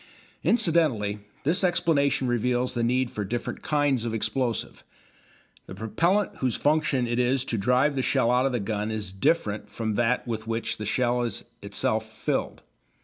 Incidentally this explanation reveals the need for different kinds of explosive. The propellant whose function it is to drive the shell out of the gun is different from that with which the shell is itself filled.